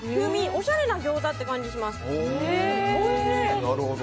おしゃれなギョーザって感じがします。